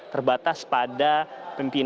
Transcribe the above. terbatas pada pimpinan